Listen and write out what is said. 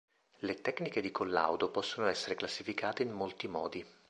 Le tecniche di collaudo possono essere classificate in molti modi.